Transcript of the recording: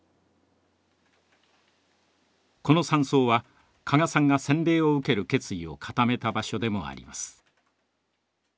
この山荘は加賀さんが洗礼を受ける決意を固めた場所でもあります。